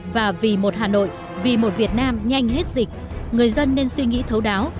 và vì một hà nội vì một việt nam nhanh hết dịch người dân nên suy nghĩ thấu đáo